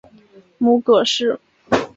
母葛氏。